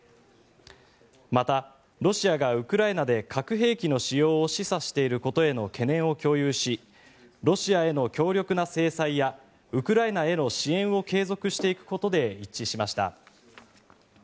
また、ロシアがウクライナで核兵器の使用を示唆していることへの懸念を共有しロシアへの強力な制裁やウクライナへの支援を継続していくことで一致しました。